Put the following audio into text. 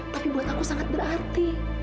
tapi buat aku sangat berarti